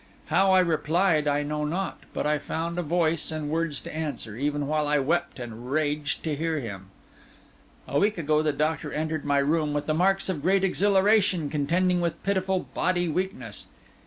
How I replied I know not; but I found a voice and words to answer, even while I wept and raged to hear him. A week ago the doctor entered my room with the marks of great exhilaration contending with pitiful bodily weakness.